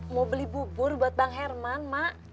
mau beli bubur buat bang herman mak